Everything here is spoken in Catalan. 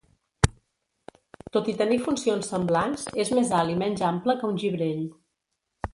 Tot i tenir funcions semblants, és més alt i menys ample que un gibrell.